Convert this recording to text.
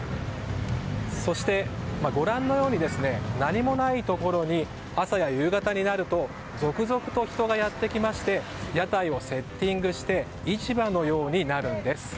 そしてご覧のように何もないところに朝や夕方になると続々と人がやってきまして屋台をセッティングして市場のようになるんです。